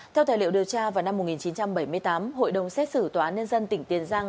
theo tài liệu điều tra vào năm một nghìn chín trăm bảy mươi tám hội đồng xét xử tòa án nhân dân tỉnh tiền giang